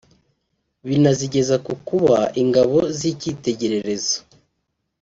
binazigeza ku kuba ingabo z’icyitegererezo